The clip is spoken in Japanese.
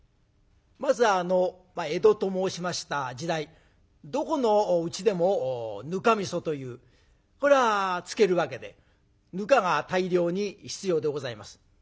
まず江戸と申しました時代どこのうちでもぬかみそというこれは漬けるわけでぬかが大量に必要でございます。